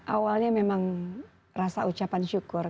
awalnya memang rasa ucapan syukur